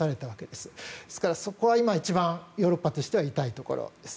ですからそこは今一番ヨーロッパとしては痛いところです。